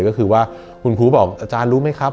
ก็คือว่าคุณครูบอกอาจารย์รู้ไหมครับ